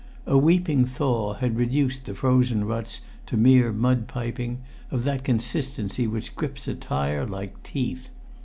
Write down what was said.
A weeping thaw had reduced the frozen ruts to mere mud piping, of that consistency which grips a tyre like teeth.